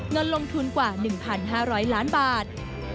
เงินลงทุนกว่า๑๕๐๐ล้านบาท